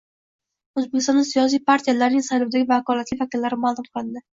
O‘zbekistonda siyosiy partiyalarning saylovdagi vakolatli vakillari ma’lum qilindi